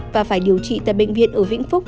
và phải điều trị tại bệnh viện ở vĩnh phúc